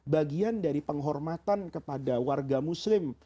bagian dari penghormatan kepada warga muslim